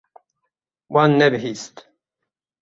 Wan nebihîst.